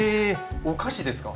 お菓子ですか？